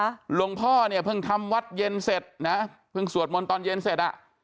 หลวงพ่อเนี่ยเพิ่งทำวัดเย็นเสร็จนะเพิ่งสวดมนต์ตอนเย็นเสร็จอ่ะ